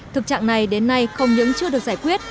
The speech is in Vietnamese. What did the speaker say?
thực trạng này đến nay không những chưa được giải quyết